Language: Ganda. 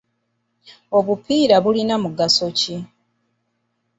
Obupiira bulina mugaso ki?